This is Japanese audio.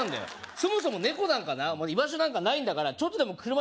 そもそも猫なんかな居場所なんかないんだからちょっとでも車近づいてきたら